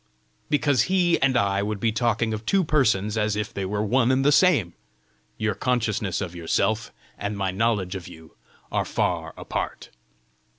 "Because he and I would be talking of two persons as if they were one and the same. Your consciousness of yourself and my knowledge of you are far apart!"